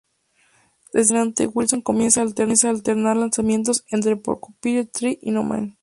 Desde aquí en adelante, Wilson comienza a alternar lanzamientos entre Porcupine Tree y No-Man.